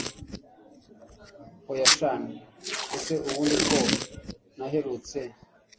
hoya shn ese ubundi ko naherutse